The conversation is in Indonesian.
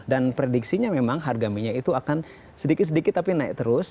dan prediksinya memang harga minyak itu akan sedikit sedikit tapi naik terus